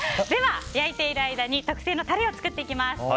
では、焼いている間に特製のタレを作っていきます。